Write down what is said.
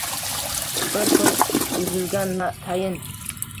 Bir kun uzilgay tayin